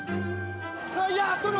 いいや殿！